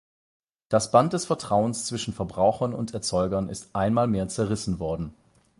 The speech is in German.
Das Band des Vertrauens zwischen Verbrauchern und Erzeugern ist einmal mehr zerrissen worden.